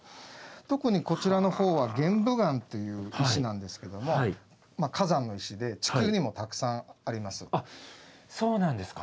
特にこちらのほうは玄武岩という石なんですけどもあっそうなんですか。